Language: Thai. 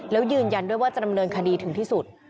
แล้วยืนยันด้วยว่าจะดำเนินคดีถึงที่สุด